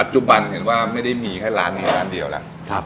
จุบันเห็นว่าไม่ได้มีแค่ร้านนี้ร้านเดียวแล้ว